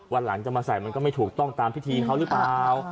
วันหลังจะมาใส่มันก็ไม่ถูกต้องตามพิธีเขาหรือเปล่า